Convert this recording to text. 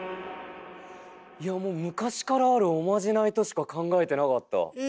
いやもう昔からあるおまじないとしか考えてなかった。